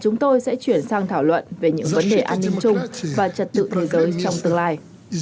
chúng tôi sẽ chuyển sang thảo luận về những vấn đề an ninh chung và trật tự thế giới trong tương lai